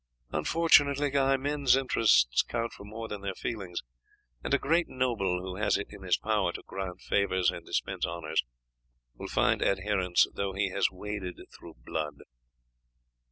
"Unfortunately, Guy, men's interests count for more than their feelings, and a great noble, who has it in his power to grant favours and dispense honours, will find adherents though he has waded through blood.